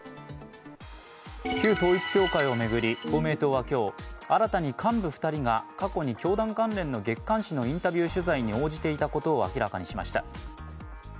旧統一教会を巡り、公明党は今日新たに幹部２人が過去に教団関連の月刊誌のインタビューに応じていたことを明らかにしました。